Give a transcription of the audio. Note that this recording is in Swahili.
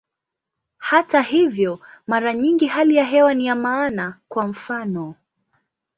Hata hivyo, mara nyingi hali ya hewa ni ya maana, kwa mfano.